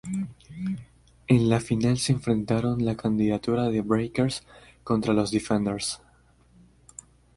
En la final se enfrentaron la candidatura de "Breakers" contra los "D-Fenders".